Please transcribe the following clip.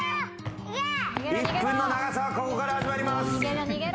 １分の長さはここから始まります。